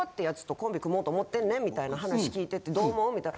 みたいな話聞いてて「どう思う？」みたいな。